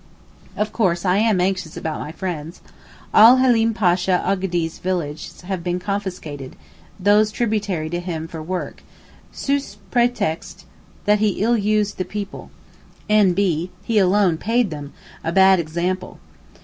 Of course I am anxious about my friends. All Haleem Pasha Oghdee's villages have been confiscated (those tributary to him for work) sous prétexte that he ill used the people, n.b. he alone paid them—a bad example.